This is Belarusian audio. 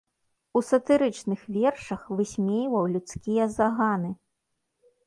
У сатырычных вершах высмейваў людскія заганы.